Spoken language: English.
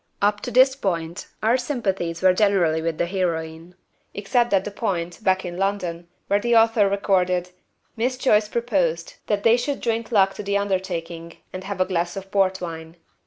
Up to this point our sympathies were generally with the heroine, except at the point, back in London, where the author recorded, "Miss Joyce proposed that they should 'drink luck' to the undertaking and have 'a glass of port wine.'